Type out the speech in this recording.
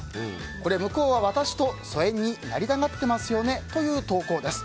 これ、向こうは私と疎遠になりたがってますよねという投稿です。